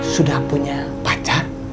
sudah punya pacar